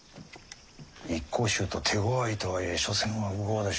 一向宗徒手ごわいとはいえ所詮は烏合の衆。